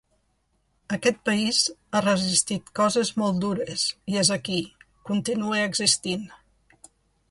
Aquest país ha resistit coses molt dures i és aquí, continua existint.